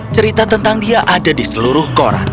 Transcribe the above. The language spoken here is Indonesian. cerita tentang dia ada di seluruh koran